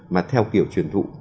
mà theo kiểu truyền thụ